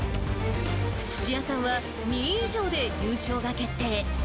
土屋さんは２位以上で優勝が決定。